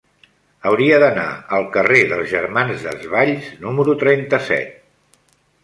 Hauria d'anar al carrer dels Germans Desvalls número trenta-set.